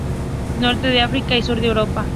Norte de África y sur de Europa.